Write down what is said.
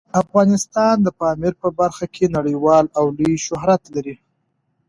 افغانستان د پامیر په برخه کې نړیوال او لوی شهرت لري.